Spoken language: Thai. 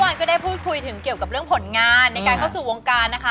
ก็ได้พูดคุยถึงเกี่ยวกับเรื่องผลงานในการเข้าสู่วงการนะคะ